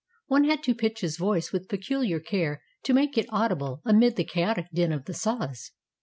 One had to pitch his voice with peculiar care to make it audible amid the chaotic din of the saws.